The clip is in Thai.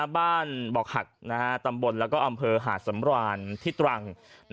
บ้านบอกหักตำบลแล้วก็อำเภอหาดสำรานที่ตรัง